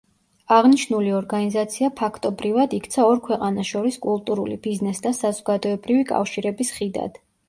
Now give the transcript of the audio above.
აღნიშნული ორგანიზაცია ფაქტობრივად, იქცა ორ ქვეყანას შორის კულტურული, ბიზნეს და საზოგადოებრივი კავშირების ხიდად.